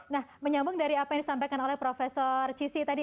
nah menyambung dari apa yang disampaikan oleh prof cissy tadi